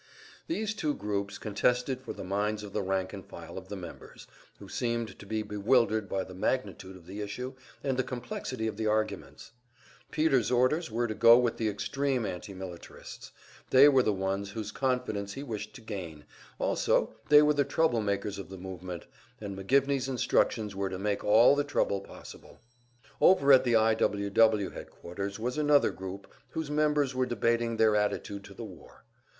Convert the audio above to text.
These two groups contested for the minds of the rank and file of the members, who seemed to be bewildered by the magnitude of the issue and the complexity of the arguments. Peter's orders were to go with the extreme anti militarists; they were the ones whose confidence he wished to gain, also they were the trouble makers of the movement, and McGivney's instructions were to make all the trouble possible. Over at the I. W. W. headquarters was another group whose members were debating their attitude to the war.